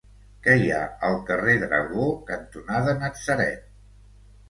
Què hi ha al carrer Dragó cantonada Natzaret?